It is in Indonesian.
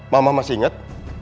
mama masih inget